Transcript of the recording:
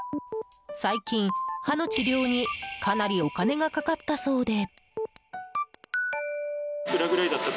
最近、歯の治療にかなりお金がかかったそうで。